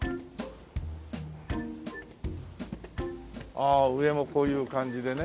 ああ上もこういう感じでね。